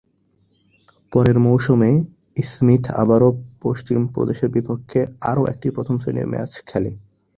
পরের মৌসুমে স্মিথ আবারও পশ্চিম প্রদেশের বিপক্ষে আরো একটি প্রথম শ্রেণীর ম্যাচ খেলে।